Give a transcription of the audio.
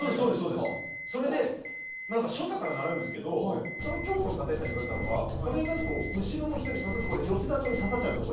それで所作から習うんですけどその京都の殺陣師さんに言われたのはこれだと後ろの人にこれ吉沢くんに刺さっちゃうんですよ。